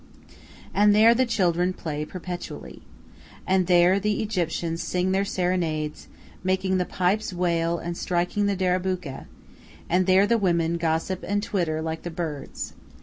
And there the children play perpetually. And there the Egyptians sing their serenades, making the pipes wail and striking the derabukkeh; and there the women gossip and twitter like the birds.